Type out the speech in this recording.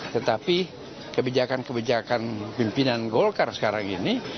tetapi kebijakan kebijakan pimpinan golkar sekarang ini